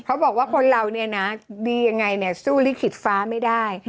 เขาบอกว่าคนเราเนี่ยนะดียังไงเนี่ยสู้ลิขิตฟ้าไม่ได้